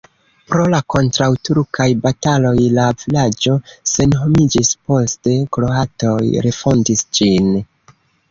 Pro la kontraŭturkaj bataloj la vilaĝo senhomiĝis, poste kroatoj refondis ĝin.